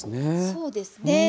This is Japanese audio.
そうですね。